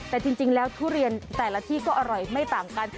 แต่จริงแล้วทุเรียนแต่ละที่ก็อร่อยไม่ต่างกัน